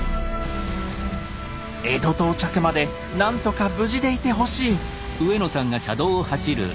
江戸到着まで何とか無事でいてほしい！